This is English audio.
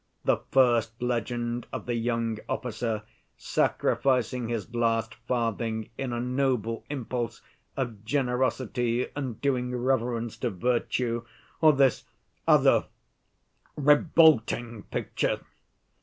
The first legend of the young officer sacrificing his last farthing in a noble impulse of generosity and doing reverence to virtue, or this other revolting picture?